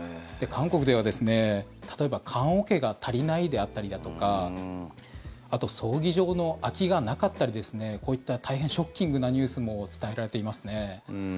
韓国では、例えば棺桶が足りないであったりとかあと、葬儀場の空きがなかったりこういった大変ショッキングなニュースも伝えられていますね。